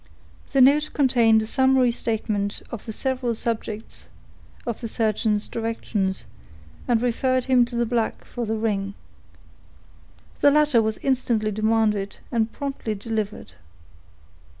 The note contained a summary statement of the several subjects of the surgeon's directions, and referred him to the black for the ring. The latter was instantly demanded, and promptly delivered.